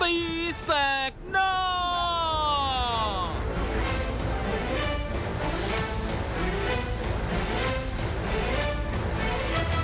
รายงานตัวมาพร้อมกับข่าวสารหลากหลายประเด็น